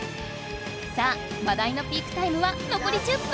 さあマダイのピークタイムはのこり１０分！